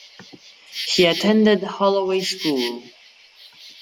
He attended Holloway School.